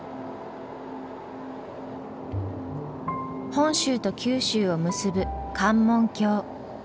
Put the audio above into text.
本州と九州を結ぶ関門橋。